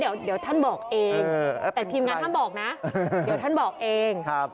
เดี๋ยวท่านบอกเองแต่ทีมงานห้ามบอกนะเดี๋ยวท่านบอกเอง